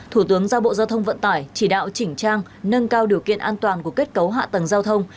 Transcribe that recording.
thủ tướng giao bộ giao thông vận tải chỉ đạo chỉnh trang nâng cao điều kiện an toàn của kết cấu hạ tầng giao thông